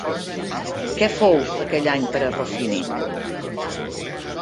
Què fou aquell any per a Rossini?